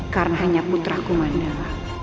karena hanya putraku mandala